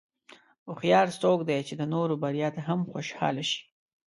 هوښیار څوک دی چې د نورو بریا ته هم خوشاله شي.